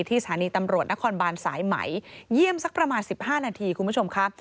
สถานีตำรวจนครบานสายไหมเยี่ยมสักประมาณ๑๕นาทีคุณผู้ชมครับ